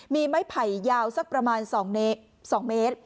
มีไม้ไผ่ยาวสักประมาณ๒เมตร